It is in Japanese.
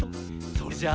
それじゃあ。